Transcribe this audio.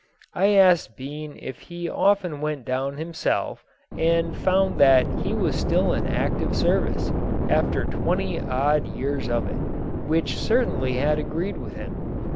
I asked Bean if he often went down himself, and found that he was still in active service, after twenty odd years of it, which certainly had agreed with him.